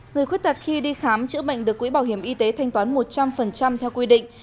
người khuyết tật khi đi khám chữa bệnh được quỹ bảo hiểm y tế thanh toán một trăm linh theo quy định